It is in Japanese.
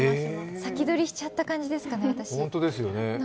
先取りしちゃった感じですかね、私。